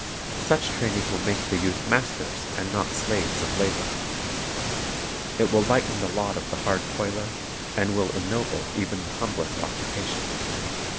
Such training will make the youth masters and not slaves of labor. It will lighten the lot of the hard toiler, and will ennoble even the humblest occupation.